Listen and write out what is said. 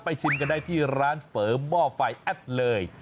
ชิมกันได้ที่ร้านเฝอหม้อไฟแอดเลย